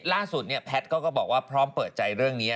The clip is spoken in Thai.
ล่าสุดเนี่ยแพทย์ก็บอกว่าพร้อมเปิดใจเรื่องนี้